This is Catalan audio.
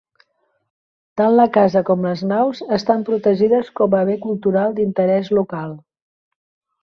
Tant la casa com les naus estan protegides com a bé cultural d'interès local.